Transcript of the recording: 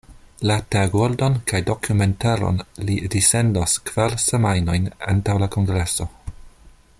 La tagordon kaj dokumentaron li dissendos kvar semajnojn antaŭ la kongreso.